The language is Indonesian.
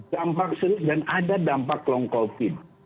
dampak serius dan ada dampak long covid